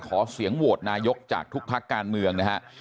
ขอเสียงโหวตนายกจากทุกพักการเมืองนะฮะ